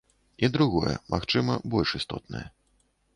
І другое, магчыма, больш істотнае.